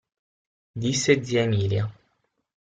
Disse zia Emilia.